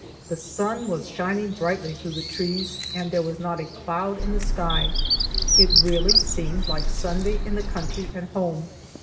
The sun was shining brightly through the trees, and there was not a cloud in the sky. It really seemed like Sunday in the country at home.